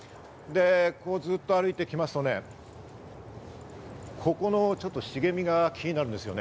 こうずっと歩いてきますとね、ここの茂みが気になるんです。